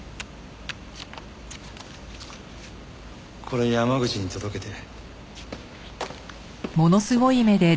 これ山口に届けて。